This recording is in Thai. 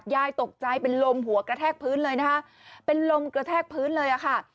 ที่ยายตกใจเป็นลมหัวกระแทกพื้นเลยนะคะ